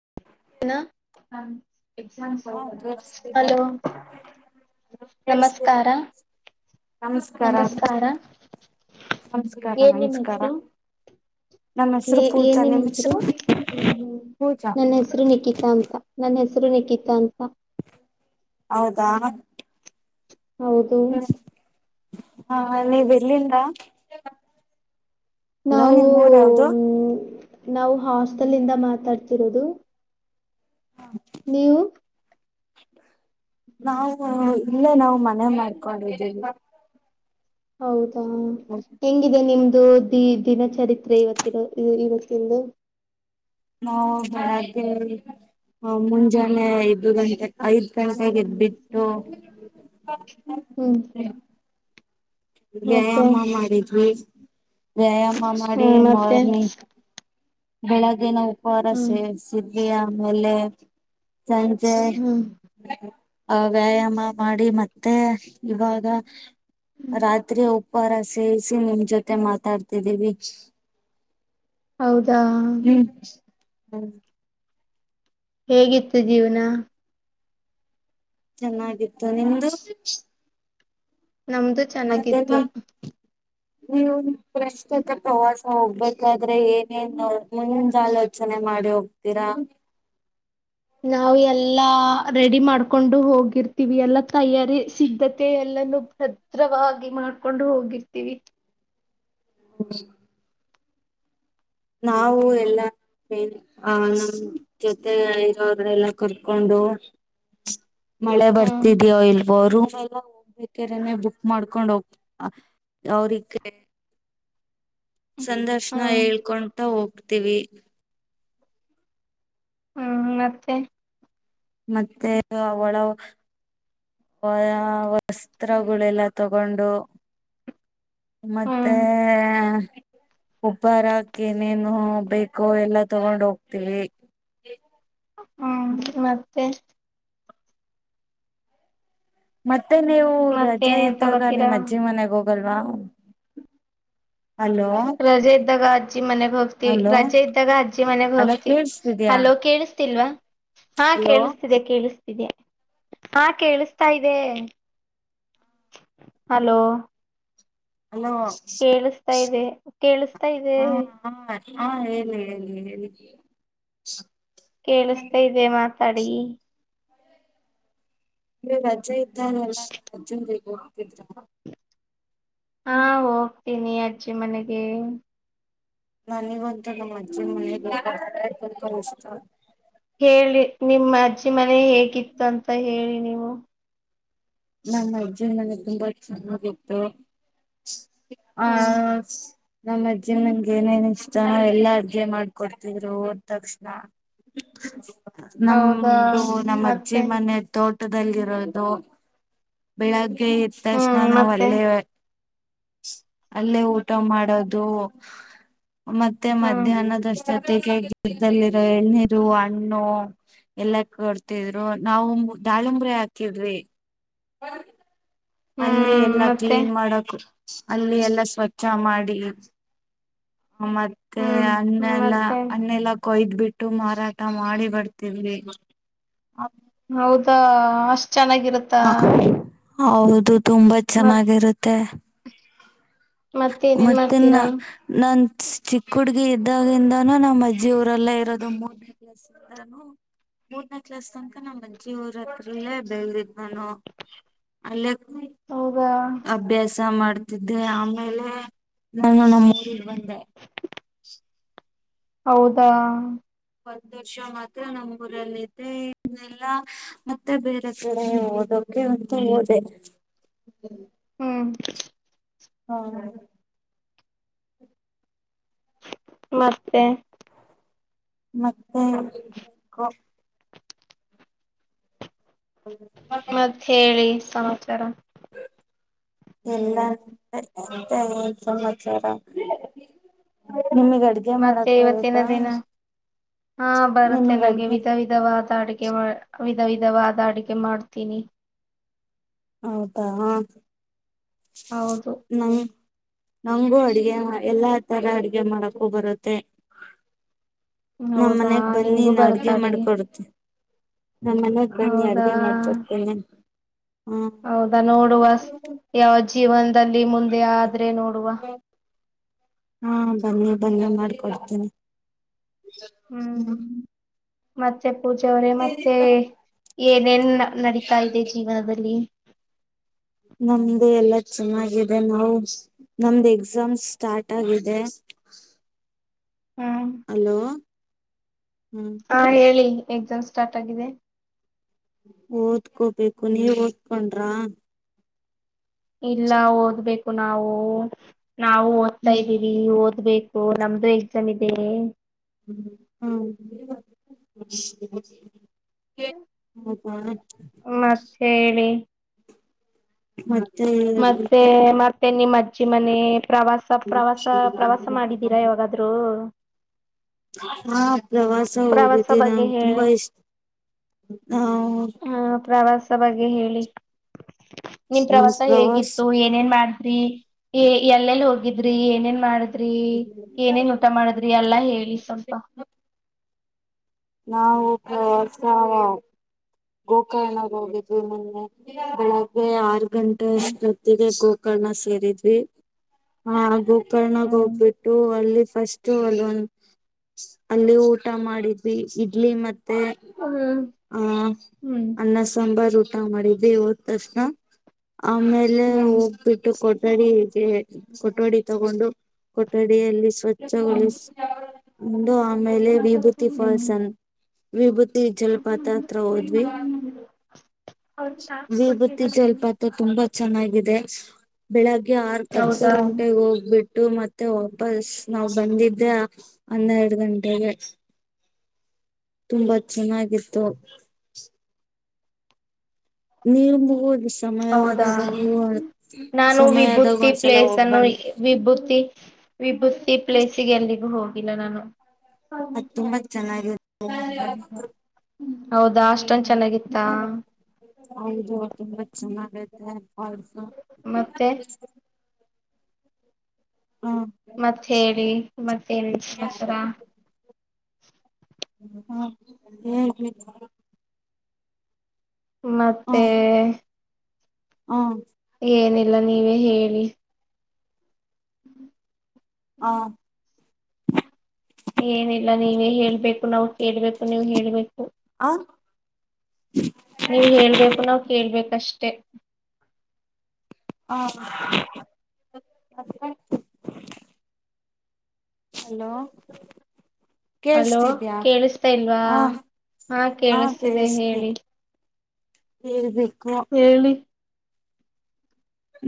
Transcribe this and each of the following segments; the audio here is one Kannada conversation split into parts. ಹ ನಮಸ್ಕಾರ ನಮಸ್ಕಾರ ನಮಸ್ಕಾರ ಏನ್ ನಿಮ್ ನಮಸ್ಕಾರ ಹೆಸರು ನಮ್ಮ ಹೆಸರು ಪೂಜಾ ಏನ್ ನಿಮ್ಮ್ ನಿಮ್ ಹೆಸರು ಪೂಜಾ ನನ್ನ ಹೆಸರು ನಿಕಿತಾ ಅಂತ ನನ್ ಹೆಸರು ನಿಕಿತಾ ಅಂತ ಹೌದಾ ಹೌದು ಹಾ ನೀವ್ ಎಲ್ಲಿಂದ? ಹಲೋ ನಾವು ನಿಮ್ ಊರ್ ಯಾವ್ದು ನಾವು ಹಾಸ್ಟೆಲ್ಂದ ಮಾತಾಡ್ತಿರೋದು ನೀವು [inaudible] ನಾವು ಇಲ್ಲೆ ನಾವ್ ಮನೆ ಮಾಡ್ಕೊಂಡಿದ್ದೀವಿ ಹೌದು ಹ ಹೆಂಗಿದೆ ನಿಮ್ದ ಇದು ದಿ ದಿನಚರಿತ್ರೆ ಇವತ್ತ ಇವತ್ತಂದು ನಾ ಬೆಳಗ್ಗೆ ಮುಂಜಾನೆ ಐದು ಗಂಟೆೆಗೆ ಐದ್ ಗಂಟೆಗೆ ಎದ್ಬಿಟ್ಟು ಹ್ಮ್ [unintelligible] ಮತ್ತೆ ವ್ಯಾಯಾಮ ಮಾಡಿದ್ದ್ವಿ ವ್ಯಾಯಾಮ ಮ್ಮ ಹ್ಮ ಮಾಡಿ ಮತ್ತೆ ಮಾರ್ನಿಂಗ್ ಬೆಳಗ್ಗೆ ನಾವು ಪರ ಹ್ಮ್ ಸೆರ್ ಸಿ [unintelligible] ಆಮೇಲೆ ಸಂಜೆ ಹ್ಮ್ ಆ ವ್ಯಾಯಾಮ ಮಾಡಿ ಮತ್ತೆ ಇವಾಗ ರಾತ್ರಿ ಹೋಗ್ ಉಪಾರ ಸೇವಿಸಿ ನಿಮ್ ಜೊತೆ ಮಾತಾಡ್ತಿದ್ದೀವಿ ಹೌದಾ ಹ್ಮ್ ಹೇಗಿತ್ತು ಜೀವನ ಚೆನ್ನಾಗಿತ್ತು ನಿಮ್ದು ನಮ್ದು ಮತ್ತೆ ಚೆನ್ನಾಗಿತ್ತು ನೀವು ಪ್ರಶ್ತುತ ಪ್ರವಾಸ ಹೋಗ್ಬೇಕಾದ್ರೆ ಏನೇನ್ ಮುಂದಲೋಚನೆ ಮಾಡಿ ಹೋಗ್ತೀರಾ ನಾವು ಎಲ್ಲಾ ರೆಡಿ ಮಾಡ್ಕೊಂಡು ಹೋಗಿರ್ತೀವಿ ಎಲ್ಲಾ ತಯಾರಿ ಸಿದ್ಧತೆ ಎಲ್ಲಾನ ಭದ್ರವಾಗಿ ಮಾಡ್ಕೊಂಡು ಹೋಗಿರ್ತೀವಿ ಹ್ಮ್ ನಾವು ಎಲ್ಲ ಆ ನಮ್ ಜೊತೆ ಇರೋರ್ ಎಲ್ಲ ಕರ್ಕೊಂಡು ಮಳೆ ಹ್ಮ್ ಬರ್ತಿದ್ಯೋ ಇಲೋ ಲ್ಲ ಹೋಗ್ಬೇಕರನೆೆ ಬುಕ್ ಮಾಡ್ಕೊಂಡ್ ಹೋಗ್ ಅ ಅವ್ರಿಗೆ ಸಂದರ್ಶನ ಹ್ಮ್ ಹೇಳ್ಕೊಂತ ಹೋಗ್ ಹೋಗ್ತೀವಿ ಹ್ಮ ಮತ್ತೆ ಮತ್ತೆ ಅವಳ ವ ವಸ್ತ್ರಗಳೆಲ್ಲ ತಗೊಂಡು ಮತ್ತೆ ಹ್ಮ್ ಉಪಾರ ಹಾಕ್ಕ ನೇನು ಬೇಕೋ ಎಲ್ಲಾ ತಗೊಂಡ ಹೋಗ್ತೀವಿ ಹ್ಮ್ ಮತ್ತೆ ಮತ್ತೆ ಮತ್ತೆ ನೀವು ಮತ್ತೆ ರಜಾ ಏನೇನ್ ಇದ್ದಾಗ ತಗೋತೀರಾ ನಿಮ್ಮ್ ಅಜ್ಜಿ ಮನೆಗೆ ಹೋಗ್ ಬಲ್ವಾ ರಜೆ ಇದ್ದಾಗ ಅಜ್ಜಿ ಮನೆಗ್ ಹೋಗ್ತಿವಿ ಹಲೋ ರಜೆ ಇದ್ದಾಗ ಅಜ್ಜಿ ಮನೆಗ್ ಅಲೋ ಹೋಗ್ತಿವಿ ಕೇೇಳಸ್ತಿದ್ಯಾ ಹಲೋ ಕೇಳಿಸ್ತಿಲ್ವಾ ಹಾ ಹಲೋ ಕೇಳಿಸ್ತಿದೆ ಕೇಳಿಸ ಹಾ ಕೇಳಿಸ್ತಾ ಇದೆ ಹಲೋ ಹಲೋ ಕೇಳಿಸ್ತಾ ಇದೆ ಕೇಳಿಸ್ತಾ ಇದೆ ಹಾ ಹಾ ಹಾ ಹೇಳಿ ಹೇಳಿ ಹೇಳಿ ಕೇಳಿಸತಾ ಅಂದ್ರೆ ಇದೆ ಮಾತಾಡಿ ಹ [unintelligible] ನೀ ರಜ್ಜೆ ಇದ್ದಾರಲ್ಲ ರಜೆನ್ ಬಗ ಹೋಗ್ತಿದ್ರ [inaudible] ಹಾ ಹೋಗ್ತೀನಿ ಅ ಅಜ್ಜಿ ಮನೆಗೆ ನನಗಂತು ನಮ್ಮ ಅಜ್ಜಿ ಮನೆ ಬೇಕ ತಪ ಇಷ್ಟ ಹೇಳಿ ನಿಮ್ಮಜ್ಜ ನಿಮ್ಮಮನೆ ಹೇಗಿತ್ತು ಅಂತ ಹೇಳಿ ನೀವು ಹ್ಮ ನಮ್ಮ ಅಜ್ಜಿ ನನಗೆ ತುಂಬಾ ಚೆನ್ನಾಗಿತ್ತು ಆ ಹ್ಮ್ ನಮ್ಮ ಅಜ್ಜಿ ನನ್ಗೆ ಏನೇನ್ ಇಷ್ಟ ನಾವ ಎಲ್ಲಾ ಅಡ್ಗೆ ಮಾಡ್ಕೊಡ್ತಿದ್ರು ಓದ ತಕ್ಷಣ ಹೌದಾ ನಮ್ದು ನಮ್ಮ ಅಜ್ಜಿ ಮತ್ತೆ ಮನೆ ದೊಡ್ ಪಟ್ಟದಲ್ಲಿರೋದು ಬೆಳ [inaudible] ಎದ ತಕ್ಷಣದ ಹ್ಮ್ ನಾವವು ಮತ್ತೆ ಅಲ್ಲೇ ಅಲ್ಲೇ ಊಟ ಮಾಡೋದು ಮತ್ತೆ ಹ್ಮ್ ಮಧ್ಯಾಹ್ನದಷ್ಟ ಜೊತೆಗೆ ಗದಲ್ಲಿರೋ ಎಳನೀರು ಹಣ್ಣು ಎಲ್ಲ ಕೊಡ್ತಿದ್ರು ನಾವು ದಾಳಿಂಬರೆ ಹಾಕಿದ್ವಿ ಹ್ಮ [unintelligible] ಅಲ್ಲಿ ಹ್ಮ್ ಎಲ್ಲಾ ಮತ್ತೆ ಕ್ಲೀನ್ ಮಾಡಕ್ ಅಲ್ಲಿ ಎಲ್ಲ ಸ್ವಚ್ಛ ಮಾಡಿ ಮತ್ತೆ ಹ್ಮ್ ಅನ್ನೆಲ್ಲ ಮತ್ತೆ ಅನ್ನೆಲ್ಲ ಕೊಯ್ದ್ ಬಿಟ್ಟು ಮಾರಾಟ ಮಾಡಿ ಬರ್ತಿವ್ರಿ ಹೌದಾ ಅಷ್ ಚೆನ್ನಾಗಿರುತ್ತಾ ಹೌದ್ ದು ತುಂಬಾ ಮತ್ ಚೆನ್ನಾಗಿರುತ್ತೆ ಏನೇನ್ ಮತ್ತೆ ನ ಮಾಡ್ತೀರಾ ನನ್ ಚಿಕ್ಕ ಹುಡ್ಗಿ ಇದ್ದಾಗಿಂದಾನೂ ನಮ್ಮ್ ಅಜ್ಜಿ ಊರಲ್ಲೆ ಇರೋದು ಮೂರ್ನೇ ಕ್ಲಾಸ್ ಇಂದಾನು ಮೂರನೇ ಕ್ಲಾಸ್ ತನಕ ನಮ್ಮ್ ಅಜ್ಜಿ ಊರ ಹತ್ರರಲ್ಲೇ ಬೆಳದಿದ್ ನಾನು ಅಲ್ಲೆ ಹೌದಾ ಅಭ್ಯಾಸ ಮಾಡ್ ತಿದ್ದೆ ಆಮೇಲೆ ನಾನು ನಮ್ ಊರಿಗ್ ಬಂದೆ ಹೌದಾ ಒಂದ್ ವರ್ಷ ಮಾತ್ರ ನಮ್ಮ ಊರಲ್ಲಿದ್ದೆ ಇನ್ನೆಲ್ಲಾ ಮತ್ತೆ ಬೇರೆ ಕಡೆ ಓದೋಕೆ ಅಂತ ಹೋದೆ ಹ್ಮ್ ಹೌದ ಮತ್ತೆ ಮತ್ತೆ ಮತ್ ಹೇಳಿ ಸಮಾಚಾರ ಎಲ್ಲ [unintelligible] ಸಮಾಚಾರ ನಿಮಗ್ ಅಡ್ಗೆ ಮತ್ತೆ ಮಾಡಕ್ ಇವತ್ತಿನ ಬರುತ್ತಾ ದಿನ ಹಾ ಬರುತ್ತೆ ನಿಮಗ್ ನಂಗೆ ಅಡ್ಗೆ ವಿಧ ವಿಧವಾದ ಅಡುಗ್ ಗೆ ಮಾಡ್ ವಿಧ ವಿಧವಾದ ಅಡಿಗೆ ಮಾಡ್ತೀನಿ ಹೌದಾ ಹೌದು ನಂಗ್ ನಂಗೂ ಅಡ್ಗೆ ಮಾ ಎಲ್ಲಾ ತರ ಅಡ್ಗೆ ಮಾಡಕ್ಕೂ ಬರುತ್ತೆ ನಮ್ಮ್ ಹೌದಾ ಮನ್ಯಾಗ್ ಬನ್ನಿ ನಿಮ್ಗೂ ನಾ ಬರುತ್ತ ಅಡ್ಗೆ ಅಡಿಗೆ ಮಾಡ್ಕೊಡ್ತಿನ್ ನಮ್ ಮನ್ಯಾಗ್ ಬನ್ನಿ ಹೌದಾ ಅಡ್ಗೆ ಮಾಡ್ಕೊಡ್ತಿನಿ ಹೌದಾ ನೋಡುವ ಯಾವ್ ಜೀವನ್ದಲ್ಲಿ ಮುಂದೆ ಆದ್ರೆ ನೋಡುವ ಹಾ ಬನ್ನಿ ಬನ್ನಿ ಮಾಡ್ಕೊಡ್ತಿನಿ ಹ್ಮ್ ಮತ್ ತ್ತೆ ಪೂಜೆ ಅವರೇ ಮತ್ತೆ ಏನೇನ್ ನಡೀತಾ ಇದೆ ಜೀವನದಲ್ಲಿ ನಮ್ದು ಎಲ್ಲ ಚೆನ್ನಾಗಿದೆ ನಾವು ನಮ್ದು ಎಕ್ಸಾಮ್ ಸ್ಟಾರ್ಟ್ ಆಗಿದೆ ಹ್ಮ್ ಹಲೋ ಹಾ ಹೇಳಿ ಎಕ್ಸಾಮ್ ಸ್ಟಾರ್ಟ್ ಆಗಿದೆ ಓದ್ಕೋಬೇಕು ನೀವ್ ಓದ್ಕೊಂಡ್ರ ಇಲ್ಲ ಓದ್ಬೇಕು ನಾವು ನಾವು ಓದ್ತಾ ಹ್ಮ್ ಇದ್ದೀವಿ ಓದ್ಬೇಕು ನಮ್ದು ಎಕ್ಸಾಮ್ ಇದ್ ಹ ಹ್ಮ ಹ್ಮ್ ಮತ್ತೆ [unintelligible] ಹೇಳಿ ಮತ್ತೆ ಮತ್ತೆ ಹೇಳ್ಬೇಕು ಮರ್ತೇನೆ ನಿಮ್ಮ ಮ ಪ್ರವಾಸ ಪ್ರವಾಸ ಪ್ರವಾಸ ಮಾಡಿದೀರಾ ಯಾವಾಗಾದರು ಹಾ ಪ್ರವಾಸ ಪ್ರವಾಸ ಹೋಗಿದ್ದೆ ಬಗ್ಗೆ ನಂಗೆ ಹೇಳಿ ತುಂಬಾ ಇಷ್ಟ ನಾ ಸ ಬಗ್ಗೆ ಹೇಳಿ ನಿಮ ಪ್ರವಾಸ ಹೇಗಿತ್ತು ಏನೇನ್ ಮಾಡಿದ್ರಿ ಎಲ್ಲೆಲ್ಲಿ ಹೋಗಿದ್ರಿ ಏನೇನ್ ಮಾಡುದಿ ಏನೇನ್ ಊಟ ಮಾಡದ್ರಿ ಎಲ್ಲಾ ಹೇಳಿ ಸ್ವಲ್ಪ ನಾವುಸ ಗೋಕರ್ಣಗ್ ಹೋಗಿದ್ ಮೊನ್ನೆ ಬೆಳಗ್ಗೆ ಆರು ಗಂಟೆ ಹ್ಮ್ ಅಷ್ಟು ಗತ್ತಿಗೆ ಸೇರಿದ್ವಿ ಹ ಹಾಗು ಕರ್ಣಗ್ ಹ್ಮ್ ಹೋಗ್ಬಿಟ್ಟು ಅಲ್ಲಿ ಫಸ್ಟ್ ಅಲ್ ಒಂದು ಅಲ್ಲಿ ಊಟ ಮಾಡಿದ್ವಿ ಇಡ್ಲಿ ಮತ್ ಹ್ಮ ಹ್ಮ್ ಅನ್ನಸ ಸಾಂಬಾರ ಊಟ ಮಾಡಿದ್ದ ಹದ ತಕ್ಷಣ ಆಮೇಲೆ ಹ್ಮ್ ಹೋಗ್ಬಿಟ್ಟು ಕೊಟ್ಟ ಕೊಠಡಿಗೆ ಕೊಠಡಿ ತಗೊಂಡು ಕೊಠಡಿಯಲ್ಲಿ ಸ್ವಚ್ ಚಗ ಹ್ಮ್ ಹ್ಮ್ ಹ್ಮ ಆಮೇಲೆ ವಿಭೂತಿ ಹ್ಮ್ ಹ್ಮ್ ಫಾಲ್ಸನ್ ವಿಭೂತಿ ಜಲಪಾತ ಹತ್ರ ಹೋದ ಹ್ಮ ವಿಭೂತಿ ಜಲಪಾತ ತುಂಬಾ ಚೆನ್ನಾಗಿದೆ ಬೆಳಗ್ ಆರ್ ಅರ್ಧ ಹೌದಾ ಗಂಟೆಗೆ ಹೋಗ್ಬಿಟ್ಟು ಮತ್ತೆ ವಾಪಸ್ ನಾವ್ ಬಂದ ಇದೇ ಹನ್ನೆರಡು ಗಂಟೆಗೆ ತುಂಬಾ ಚೆನ್ನಾಗಿತ್ತು ನೀವು ಹೌದಾ ಸಮಯವಾದಾಗ ನಾನು ಸಮಯದಾಗ ವಿಭೂತಿ ಒಂದ್ಸಲ ಪ್ಲೇಸ್ ಹೋಗ್ ಅನ್ನು ಬನ್ನಿ ವಿಭತಿ ವಿಭೂತಿ ಪ್ಲೇಸಿಗೆ ಎಲ್ಲಿಗೂ ಹೋಗಿಲ್ಲ ನಾನು ಅದು ತುಂಬಾ ಚೆನ್ನಾಗಿ ಇರುತ್ತೆ ಹೌದಾ ಅಷ್ಟ ಹೌದು ತುಂಬಾ ಚನ್ನ ಬ ಹಸ ಮತ್ತೆ ಹ ಮತ್ತ ಹೇಳಿ ಮತ್ತ ಹೇಳಿ ಸಮಾಚಾರ ಹ ಹೇ ಮತ್ತೆ ಹ ಏನಿಲ್ಲ ನೀವೇ ಹೇಳಿ ಹ ಹಾ ಏನಿಲ್ಲ ನೀವೇ ಹೇಳ್ಬೇಕು ನಾವು ಹೇಳ್ಬೇಕು ನೀವು ಹೇಳ್ಬೇಕು ಆ ನೀವ್ ಹೇಳ್ಬೇಕು ನಾವ್ ಕೇಳ್ಬೇಕಷ್ಟೇ ಹಾ ಅಲೋ ಕೇಳ್ಸ್ತಿದ್ಯಾ ಕೇಳಿಸತಾ ಇಲ್ವಾ ಹ ಹಾ ಕೇಳಿಸ್ತಿದೆ ಹೇಳಿ ಹೇಳ್ರಿ ಹೇಳಿ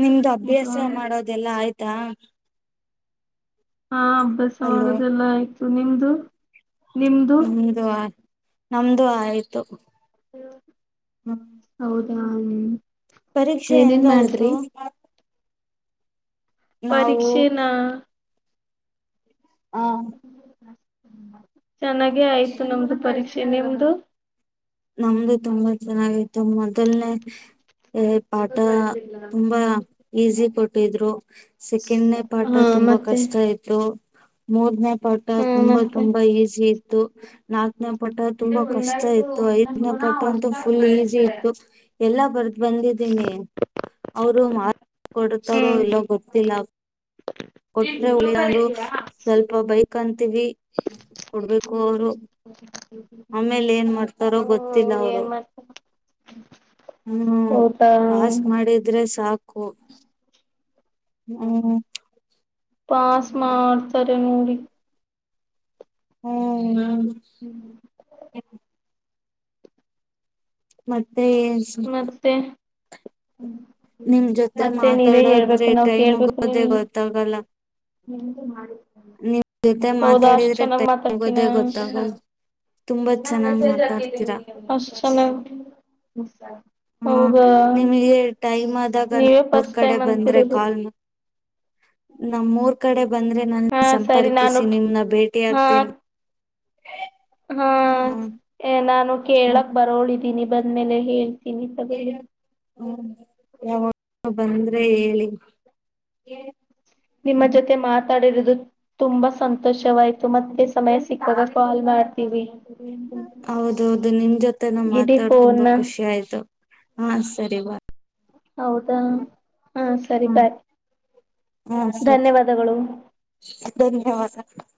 ನಿಮ್ದು ಅಭ್ಯಾಸ ಹಾ ಮಾಡೋದೆಲ್ಲಾ ಆಯ್ತು ಥ ಹಾ ಅಭ್ಯಾಸ ಹಲೋ ಮಾಡುದಿಲ್ಲ ಆಯ್ತು ನಿಮ್ದು ನಿಮ್ದು ನಮ್ದು ಆಯ್ತು ನಮ್ದು ಆಯ್ತು ಹ್ಮ್ ಹೌದು ಹ ಪರೀಕ್ಷೆ ಹೆಂಗಯ್ತು ಪರೀಕ್ಷೆ ನ ಆ [inaudible] [inaudible] ಚೆನ್ನಾಗೆ ಆಯ್ತು ನಮ್ದು ಪರೀಕ್ಷೆ ನಿಮ್ದು ನಮ್ದು ತುಂಬಾ ಚೆನ್ನಾಗೈತ ಮೊದಲ್ನೇ ಪಾಠ ತುಂಬಾ ಈಸಿ ಕೊಟ್ಟ ಇದರು ಸೆಕೆಂಡ್ ನೇ ಪಾಠ ಹಾ ತುಂಬಾ ಮತ್ತೆ ಕಷ್ಟ ಆಯ್ತು ಮೂರ್ ನೆ ಪಾಠ ಹ್ಮ್ ತುಂಬಾ ಮತ್ತೆ ತುಂಬಾ ಈಸಿ ಇತ್ತು ನಾ ಪಟ್ಟ ತುಂಬಾ ಕಷ್ಟ ಇತ್ತು ಐ ನ ಪಾಠ ಅಂತೂ ಫುಲ್ ಈಸಿ ಇತ್ತು ಎಲ್ಲಾ ಬರ್ದ ಬಂದಿದ್ದೀನಿ ಅವರು ಕೊಡ್ತಾರೋ ಹ್ಮ್ ಎಲ್ಲ ಗೊತ್ತಿಲ್ಲ ಕೊಟ್ರೆ ಉಳಿಯ ಸ್ವಲ್ಪ ಬೈಕ್ ಅಂತೀವಿ ಕೊಡ್ಬೇಕ ಹರ ಮಾಡ್ತಾರೋ ಹೂ ಅವರು ಹ್ಮ ಮಾಡ್ತ ಪಾಸ್ಕ್ ಮಾಡಿದ್ರೆ ಸಾಕು ಹ್ಮ ಪಾಸ್ ಮಾಡತಾರೆ ಹ್ಮ ಹ್ಮ [inaudible] ಮತ್ತೆ ದ [unintelligible] [inaudible] ಮತ್ತೆ ನಿಮ್ ಜೊತೆ ಮತ್ತೆ ನೀವೇ ಹೇಳ್ಬೇಕು ಮಾತಾಡದ್ರೆ ನಾವ್ ಟೈಮ್ ಕೇಳ್ಬೇಕು ನೀವ ಹೋಗೋದೇ ಗೊತ್ತಾಗಲ್ಲ್ ಹೌದಾ ಅಷ್ಟ್ ಚೆನ್ನಾಗ್ ಮಾತಾಡ್ತೀಿನ ಗೊತ್ತಾಗಲ್ಲ ತುಂಬಾ ಚೆನ್ನಾಗ್ ಮಾತಾಡ್ತೀರಾ [unintelligible] ಚನ್ನಾಗ ನಿ ಸ ಹ್ಮ ನಿಮಗೆ ಟೈಮ್ ಆದಾಗ ನಾ ನೀವೇ ಅವಊರ್ ಫಸ್ಟ್ ಕಡೆ ಟೈಮ್ ಬಂದ್ರೆ ಅಂತಿರೋದು ಕಾಲ್ ನಮ್ಮ ಮೂೂರ್ ಕಡೆ ಬಂದ್ರೆ ನಾನು ಹಾ ಸರಿ ಸಂಪರ್ಕಿಸಿ ನಾನು ನಿಮ್ನ್ನ ಹಾ ಭೇಟಿಯಗ್ತೀನಿ ಹಾ ನಾನು ಕೇಳಕ್ ಬರೋಳಿದ್ದೀನಿ ಬಂದ್ಮೇಲೆ ಹೇಳಿ ಹ್ಮ ಯ ಬಂದ್ರೆ ಹೇಳಿ ಹ ನಿಮ್ಮ ಜೊತೆ ಮಾತಾಡಿರ ತುಂಬಾ ಸಂತೋಷವಾಯ್ತು ಮತ್ತೆ ಸಮಯ ಸಿಕ್ಕಾಗ ಕಾಲ್ ಮಾಡ್ತೀವಿ ಹೌದೌದು ನಿಮ್ ಜೊತೆನ ಇಡೀ ಮಾತಾಡ್ ಫೋನ್ ತುಂಬಾ ಖುಷಿ ಆಯ್ತು ಹಾ ಸರಿ ಬಾಯ್ ಹೌದಾ ಹಾ ಸರಿ ಹ್ಮ್ ಬೈ ಹಾ ಸರಿ ಧನ್ಯವಾದಗಳು ಧನ್ಯವಾದ